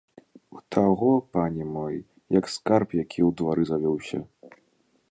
У таго, пане мой, як скарб які ў двары завёўся.